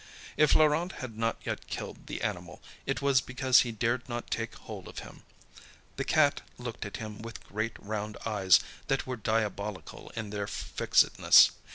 If Laurent had not yet killed the animal, it was because he dared not take hold of him. The cat looked at him with great round eyes that were diabolical in their fixedness.